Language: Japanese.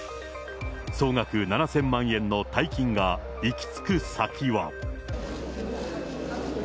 総額７０００万円の大金が行き着く先は。